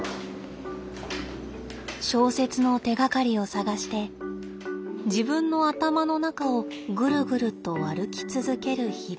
小説の手がかりを探して自分の頭の中をぐるぐると歩き続ける日々。